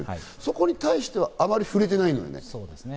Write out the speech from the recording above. そこに対してはあまり触れてないんだよね。